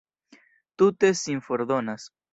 Tute sin fordonas!